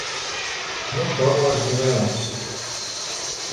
No com a les novel·les!